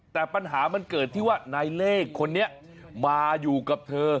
แต่ปัญหามันเกิดที่ว่านายเลขคนนี้มาอยู่กับเธอ